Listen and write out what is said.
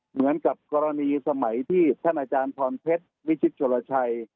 เหมือนกับกรณีสมัยที่ท่านอาจารย์พรเพชรวิชิตโชลชัย